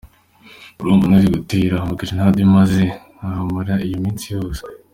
Urumva nari gutera amagerenade maze nkahamara iyo minsi yose.”